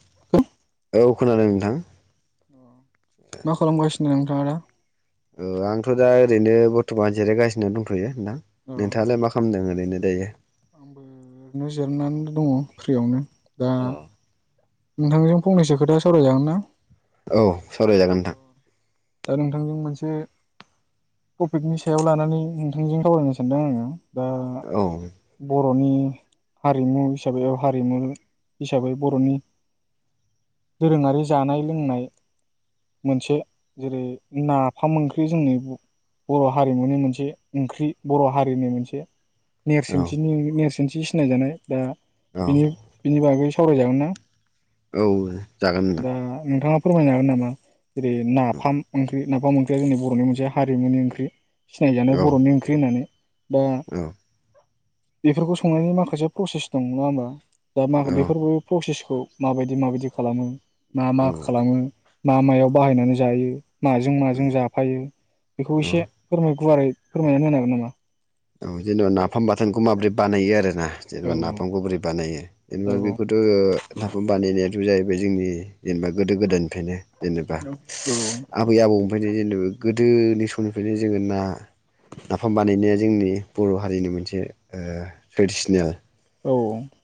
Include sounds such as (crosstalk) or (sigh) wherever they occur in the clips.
(unintelligible) औ खोनादों नोंथां। मा खालामगासिनो नोंथाङा दा? आंथ दा ओरैनो बर्थमान जिरायगासिनो दंथयो। नोंथां अ नोंथाङालाय मा खालामदों ओरैनो दायो आंबो ओरैनो जिरनानै दङ फ्रियावनो। दा अ नोंथांजों फंनैसो खोथा सावरायजागोन ना? औ सावराय जागोन नोंथां दा नोंथांजों मोनसे टपिकनि सायाव लानानै नोंथांजों सावरायनो सानदों आङो औ र'नि हारिमु हिसाबै हारिमु हिसाबै बर'नि दोरोङारि जानाय लोंनाय मोनसे जेरै नाफाम ओंख्रि जोंनि बर हारिमुनि मोनसे ओंख्रि बर' हारिनि मोनसे औ नेरसोनथिनि नेरसो खोनसे सिनायजानाय बा औ बिनि बिनि बागै सावराय जागोन ना? औ जागोन नोंथां दा नोंथाङा फोरमायनो हागोन नामा जेरै ना फाम ओंख्रि नाफाम ओंख्रिया जोंनि बरनि मोनसे हारिमुनि ओंख्रि सिनायजानाय औ बर'नि ओंख्रि होननानै दा औ बेफोरखौ संनायनि माखासे प्रसेस दं नङा होमबा दा मा बेफोरबो प्रसेस खौ माबायदि माबायदि खालामो मा औ मा खालामो मा मायाव बाहायनानै जायो माजों माजों जाफायो बेखौ औ एसे फोरमाय गुवारै फोरमायनानै होनो हागोन नामा? जेनेबा नाफाम बाथोनखौ माबोरै बानायो आरो ना जेनेबा हागोन नामा नाफामखौ बोरै बानायो औ जेनेबा बेखौथ नाफाम बानायनाया जु जाहैबाय जोंनि जेनेबा गोदो गोदायनिफ्रायनो जेनेबा आबै आबौनिफ्राय गोदोनि समनिफ्रायनो जोङो ना नाफाम बानायनाया जोंनि बर' हारिनि मोनसे ओ ट्रेडिसनेल औ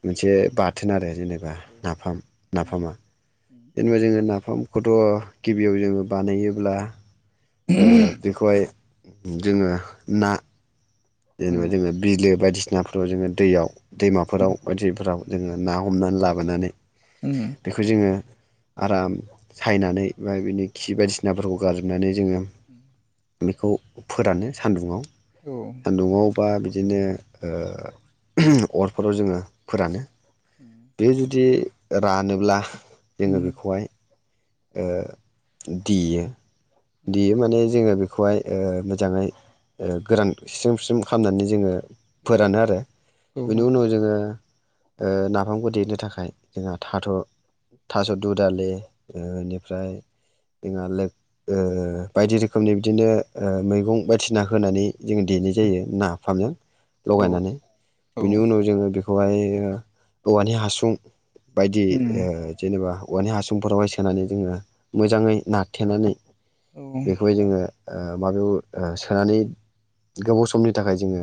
मोनसे बा थोन आरो जेनेबा नाफाम औ नाफामा औ जेनेबा जोङो ना फामखौथ' गिबियाव जोङो बानायोब्ला ओ बेखौहाय जोङो ना जेनेबा जेनेबा बिलो बायदिसि नाफोरखौ जोङो दैयाव दैमाफोराव बायदिफोराव जोङो ना हमनानै लाबोनानै बेखौ जोङो आराम सायनानै बा बिनि खि बायदिसिनाफोरखौ गारजोबनानै जोङो बेखौ फोरानो सान्दुङाव नआव बा बिदिनो ओ अरफोराव जोङो फोरानो बे जुदि रानोब्ला जोङो बेखौहाय ओ देयो। देयो माने जोङो बेखौ बेखौहाय ओ मोजाङै गोरान स्रेम स्रेम खामनानै जोङो फोरानो आरो बेनि उनाव जोङो ओ नाफामखौ देनो थाखाय जोंहा थाथ थास दुदालि ओ इनिफ्राय (unintelligible) बायदि रोखोमनि बिदिनो ओ मैगं बायदिसिना होनानै जों देनाय जायो नाफामजों लगायनानै बिनि उनाव जोङो बेखौ औवानि दङ औवानि हासुं बायदि ओ जेनेबा औवानि हासुंफोराव हाय सो सोनानै जोङो मोजाङै नाथेनानै बेखौहाय जोङो ओ माबायाव सोनानै गोबाव समनि थाखाय जोङो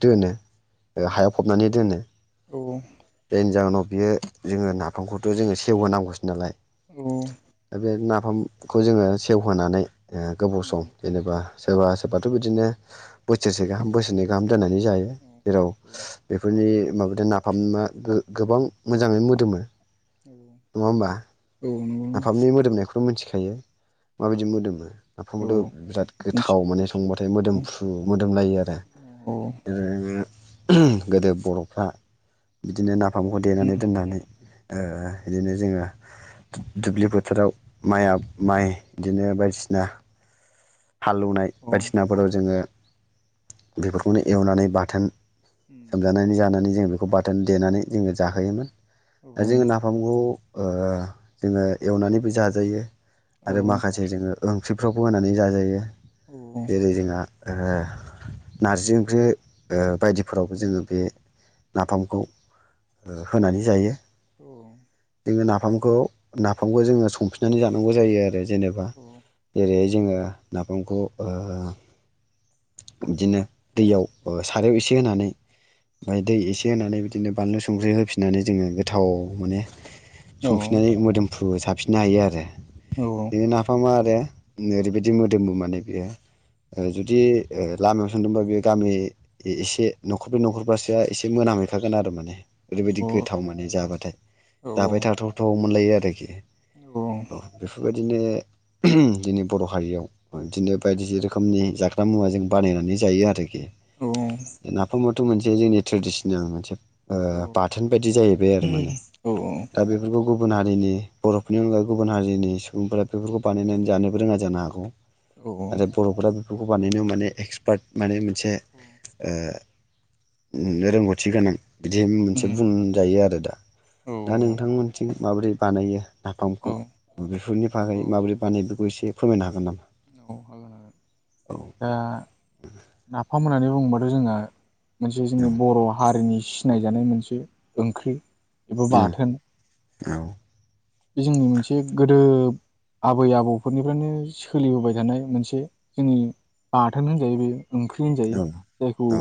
दोनो। हायाव फबनानै दोनो जायनि जाहोनाव बियो जोङो नाफामखौथ जोङो सेवहोनांगौसो नालाय। (unintelligible) फामखौ जोङो सेवहोनानै ओ गोबाव सम जेनेबा सोरबा सोरबाथ बिदिनो बोसोरसे गाहाम बोसोरनै गाहाम दोननानै जायो। जेराव बेफोरनि माबादि नाफामा ओ गोबां मोजाङै मोदोमो। नङा होमबा औ नाफामनि मोदोमनायखौ मिथिखायो माबायदि मोदोमो। नाफामाथ बिराद गोथाव माने संबाथाय मोदोमफ्रु मोदोमलायो आरो ओ गोदो बर'फोरा बिदिनो नाफ फामखौ देनानै दोननानै। ओ बिदिनो जोङो दुब्लि बोथोराव माइआब माइ बिदिनो बायदिसिना हाल एवनाय बायदिसिनाफोराव जोङो बेफोरखौनो एवनानै बाथोन सोमजानानै जानानै जों बाथोन देनानै जोनो जाहोयोमोन। दा जोङो नाफामखौ ओ जोङो एवनानैबो जाजायो। आरो माखासे जोङो। ओंख्रिफ्रावबो होनानै जाजायो। बे जेरै जोंहा ओ नारजि ओंख्रि ओ बायदिफोरावबो जोङो बे नाफामखौ ओ होनानै जायो। औ नाफामखौ नाफामखौ जोङो संफिननानै जानांगौ जायो आरो जेनेबा जेरै जोङो नाफामखौ ओ बिदिनो दैयाव ओ सारायाव एसे होनानै ओमफाय दै एसे होनानै बिदिनो बानलु संख्रि होफिननानै जोङो थाव माने संफिननानै मोदोम फु साफिननो हायो आरो बे नाफामा आरो नै ओरैबायदि मोदोमो माने बियो ओ जुदि ओ लामायाव थांदोंबा बेयो गामिनि एसे न'खर ब्रै नखरबासोआ एसे मोनामहैखागोन आरो माने ओरैबायदि गोथाव माने जाबाथाय जाबाय थाथावथाव मोनलायो आरोखि अ बेफोरबाय दिनो जोंनि बर' हारियाव बिदिनो बायदि रोखोमनि जाग्रा मुवाजों जों बानायनानै जायो आरो। औ नाफामा थ मोनसे जोंनि ट्रेडिसनेल मोनसे ओ औ बाथोन बायदि जाहैबाय आरो माने दा बेफोरखौ गुबु बुन हारिनि बर'फोरनि अनगायै गुबुन हारिनि सुबुंफोरा बेफोरखौ बानायनानै जानोबो रोङा जानो हागौ। औ आरो बर'फोरा बेखौ बानायनायाव माने एक्सपार्ट माने से ओ उम रोंगौथि गोनां बिदि मोनसे बुंजायो आरो दा औ दा नोंथांमोनथिं माबोरै बानायो नाफामखौ औ बेफोरनि बागै माबोरै बानायो बेखौ एसे फोरमायनो हागोन नामा? औ हागोन हागोन औ दा नाफाम होननानै बुङोबाथ' जोंना मोनसे जोंनि बर' हारिनि सिनायजानाय मोनसे ओंख्रि। एबा बाथोन। औ बे जोंनि मोनसे गोदो आबै आबौफोरनिफ्रायनो सोलिबोबाय थानाय मोनसे जोंनि बाथोन होनजायो बे। ओंख्रि औ होनजायो जायखौ औ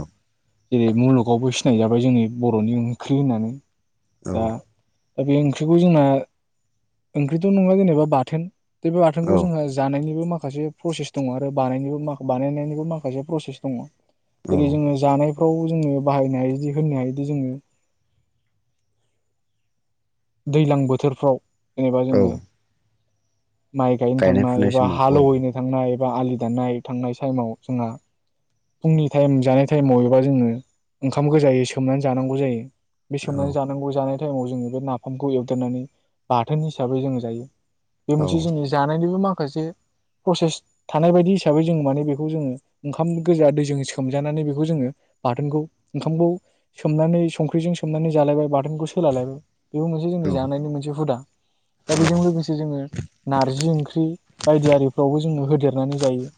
जेरै मुलुगावबो सिनाय जाबाय जोंनि बर'नि ओंख्रि होननानै औ दा दा बे ओंख्रिखौ जोंना ओंख्रिथ' नङा जेनोबा बाथोन। बे-बे औ बाथोनखौ जोंहा जानायनिबो मा खासे प्रसेस दङ आरो बानायनिबो-बानायनायनिबो माखासे प्रसेस दङ। औ जेरै जोङो जानाय खौ जोङो बाहायनायदि होनो हायोदि जोङो दैलां बोथोरफ्राव जेनोबा औ जोङो माइ गायनो गायनाय थांनाय फुनाय एबा समाव औ हालौैहैनो थांनाय एबा आलि दाननाय थांनाय टाइमाव जोंहा फुंनि टाइम जानाय टाइमाव एबा जोङो ओंखाम गोजायै सोमनानै जानांगौ जायो। बे औ सोमनानै जानांगौ जानाय टाइमाव जों बे ना फामखौ एवदेरनानै बाथोन हिसाबै जोङो जायो। बे औ मोनसे जोंनि जानायनिबो मा खासे प्रसेस थानाय बायदि हिसाबै जोङो माने बेखौ जोङो ओंखाम गोजा दैजों सोमजानानै बेखौ जोङो बाथोनखौ ओंखामखौ सोमनानै संख्रिजों सोमनानै जालायबाय बाथोनखौ सोलालायबाय बेबो मोनसे जोंनि औ जानायनि मोनसे हुदा दा बेजों लोगोसे जोङो नारजि ओंख्रि बायदि आरिफ्रावबो जोङो होदेरनानै जायो।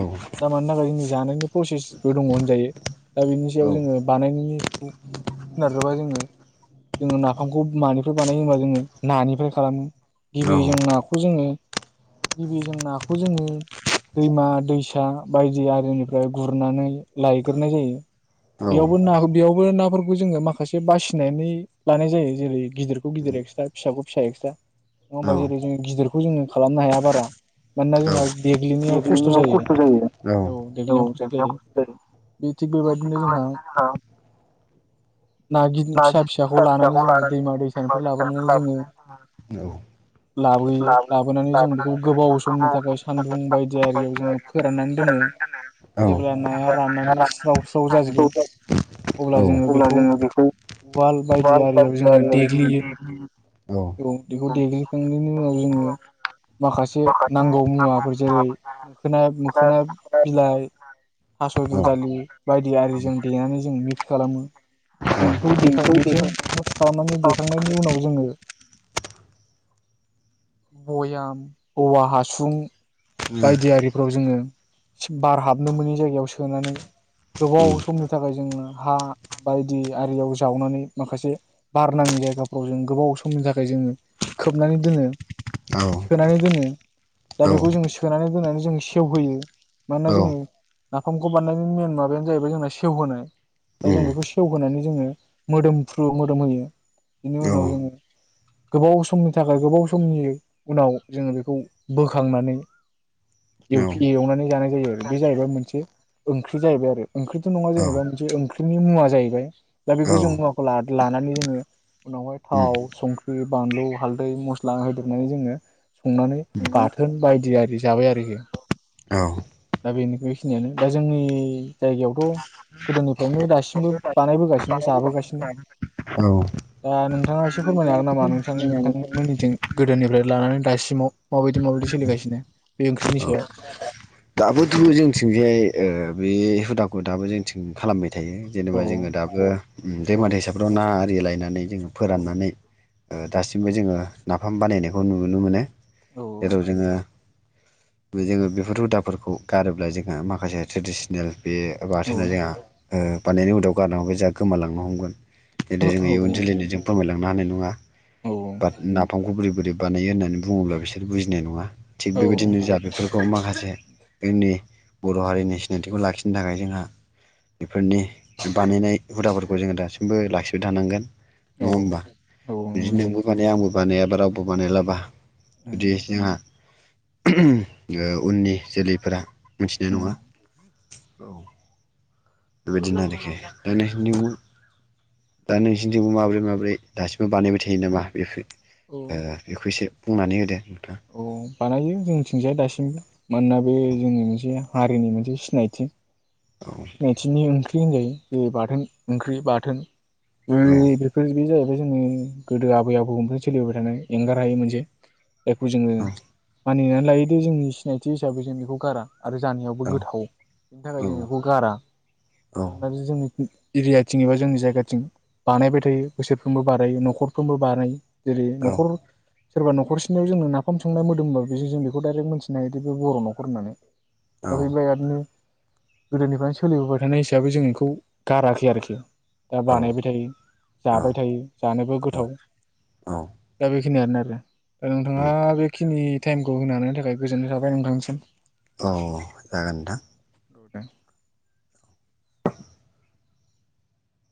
औ (unintelligible) जानायनि प्रसेसबो दङ होनजायो दा बिनि सायाव औ जोङो बानायनायनि सायाव सोनारोबा जोङो जोङो ना फामखौ मानिफ्राय बानायो होनबा जोङो नानिफ्राय खालामो। गिबि जों नाखौ जोङो गिबि जों नाखौ जोङो दैमा दैसा बायदि आरिनिफ्राय गुरनानै लायग्रोनाय जायो। बेयावबो नाखौ बेयाव बो नाफोरखौ जोङो माखासे बासिनानै लानाय जायो। जेरै गिदिरखौ गिदिर एक्सट्रा फिसाखौ फिसा एक्सट्रा नङा होमबा जेरै जों गिदिरखौ जोङो खालामनो हाया बारा मानोना जोंहा देग्लिनायाव खस्ट खस्थ जायो औ जायो बे थिग बेबाय दिनो जोंहा ना गिदि फिसा फिसाखौ लानानै जोङो दैमा दैसानिफ्राय लाबो। थांनानै जोङो। औ लाबोयो लाबोनानै जों बेखौ गोबाव समनि थाखाय सान्दुं बायदि आरियाव जोङो फोराननानै दोनो जेब्ला नाया राननानै स्राव स्राव जाजोबो (unintelligible) अब्ला जोङो बेखौ उवाल बाय दि आरियाव जोङो ओ देग्लियो देग्लि औ बेखौ देग्लिखांनायनि उनाव जोङो माखासे नांगौ मुवाफोर जेरै मोखोना मोखोना बिलाइ थास दुदालि बायदि आरिजों देनानै जों मिक्स खालामो बेखौ देखां बेजों मिक्स खालामनानै। देखांनायनि उनाव जोङो बयाम औवा हासुं औ बायदि आरिफ्राव जोङो बार हाबनो मोनै जायगायाव सोनानै औ गोबाव समनि थाखाय जोङो हा बायदि आरियाव जावनानै माखासे बार नाङि जायगाफ्राव जों गोबाव समनि थाखाय जोङो खोबनानै दोनो औ उम औ सोनानै दोनो दा बेखौ जोङो सो सोनानै दोननानै जों सेवहोयो मानोना जोङो नाफामखौ बारनायनि मेन माबायानो जाहैबाय जोंना सेवहोनाय दा जों बेखौ सेवहोनानै जोङो मोदोमफ्रु मोदोम होयो बेनि उनाव जोङो गोबाव समनि थाखाय गोबाव समनि उनाव जोङो बेखौ बोखांनानै। एवफि एवनानै जानाय जायो आरो बे जाहैबाय मोनसे ओंख्रि जाहैबाय आरो ओंख्रिथ नङा जेनेबा मोनसे ओंख्रिनि मुवा जाहैबाय दा बे गोजौ मुवाखौ ला लानानै जोङो उनावहाय उम थाव संख्रि बानलु हाल्दै मस्ला होदेबनानै जोङो संनानै बाथोन बायदि आरि जाबाय आरोखि औ दा बेनि बेखिनियानो दा जोंनि जायगायावथ गोदोनिफ्रायनो दासिमबो बानायबोगासिनो जाबोगासिनो औ दा नोंथाङा एसे फोरमायनो हागोन नामा नों नोंथांमोननिथिं गोदोनिफ्राय लानानै दासिमाव माबायदि माबायदि सोलिगासिनो। बे ओंख्रिनि सायाव। दाबोदुं जोंथिंजाय ओ बे हुदाखौ दाबो जोंथिं खालामबाय। थायो औ जेनेबा जोङो दाबो ओम औ दैमा दैसाफ्राव ना आरि लायनानै जोङो औ फोराननानै। ओ दासिमबो जोङो नाफाम बानायनायखौ नुनो मोनो। औ जेराव जोङो। जोङो बेफोर हुदाब फोरखौ गारोब्ला जोंहा माखासे ट्रेडिसिनेल। बे बाथोना जोहा। ओ बानायनाय हुदाखौ गारना (unintelligible) जोहा गोमालांनो हमगोन। इदि जों इयुन जोलै जों फोरमायला मानो नङा। बा नाफामखौ बोरै बोरै बानायो होननानै बुङोब्ला बिसोर बुजिनाय नङा। थिग औ बेबायदिनो जा बेफोर। खौ माखासे। इनि बर' हारिनि सिनायथिखौ लाखिनो थाखाय जोंहा बेफोरनि बानायनाय हुदाफोरखौ जोङो दासिमबो लाखिबाय थानांगोन। नङा ओमबा नंगौ उम औ बिदि नोंबो माने आंबो। बानायाबा रावबो बानायलाबा जुदि जोंहा ओम ओ उननि। जोलैफोरा मिथिनाय नङा औ बेबायदिनो आरोखि। (unintelligible) दा नोंसिनिथिंबो माबोरै माबोरै दासिमबो बानायबाय थायो नामा (unintelligible) ओ बेखौ एसे। बुंनानै होदो। नोंथां औ बानायो जोंथिंजाय दासिमबो मानोना बे जोंनि मोनसे हारिनि मोनसे सिनायथि। औ सिनायथिनि ओंख्रि होनजायो जेरै बाथोन ओंख्रि बाथोन। (unintelligible) औ बे जोंनि गोदो आबै आबौमोनफ्राय सोलिबोबाय थानाय एंगार हायै मोनसे। बेखौ जोङो मानिनानै लायोदो जोंनि सिनायथि हिसाबै जों बेखौ गारा। आरो जानायावबो औ गोथाव बेनि थाखाय औ औ जोङो बेखौ गारा औ मोनोना जोंनि एरियाथिं एबा जोंनि जायगाथिं बानायबाय थायो बोसोरफ्रोमबो बानायो नखरफ्रोमबो बानायो। जेरै औ नखर सोरबा नखर सिनियाव जोङो नाफाम संनाय मोदोमबाबो जों बेखौ डाइरेक्ट मोनथिनो हायो बे बर' नखर होननानै। औ दा बेनिफ्राय आरो गोदोनिफ्रायनो सोलिबोबाय थानाय हिसाबै जों बेखौ गाराखै आरोखि। दा बानायबाय थायो, औ जाबाय थायो, जानोबो गोथाव औ दा बे (unintelligible) ओ नोंथाङा बेखिनि टाइमखौ होनो हानायनि थाखाय गोजोननाय थाबाय नोंथांसिम। अह जागोन नोंथां। (inaudible)